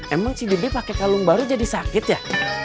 emang si debby pake kalung baru jadi sakit ya